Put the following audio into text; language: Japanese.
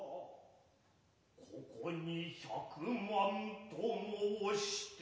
爰に百万と申して。